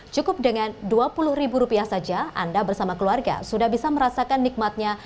cukup dengan dua puluh ribu rupiah saja anda bersama keluarga sudah bisa merasakan nikmatnya